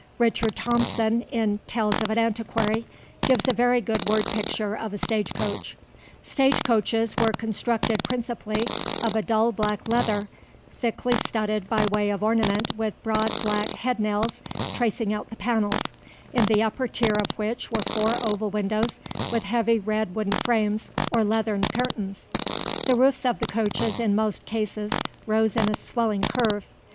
Richard Thomson, in Tales of an Antiquary, gives a very good word picture of a stage coach: "Stage coaches were constructed principally of a dull black leather, thickly studded by way of ornament with broad black head nails tracing out the panels, in the upper tier of which were four oval windows with heavy red wooden frames or leathern curtains. The roofs of the coaches in most cases rose in a swelling curve.